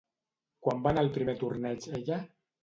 Quan va anar al primer torneig ella?